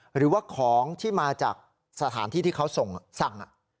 หรือว่าของที่มาจากสถานที่ที่เขาสั่ง